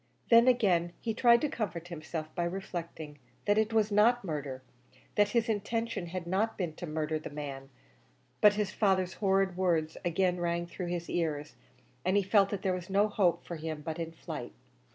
Then again he tried to comfort himself by reflecting that it was not murder that his intention had not been to murder the man; but his father's horrid words again rang through his ears, and he felt that there was no hope for him but in flight.